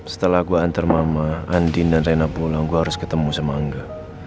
setelah gua antar mama andin dan rena pulang gua harus ketemu sama angga